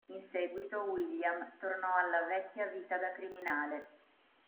In seguito, William tornò alla vecchia vita da criminale.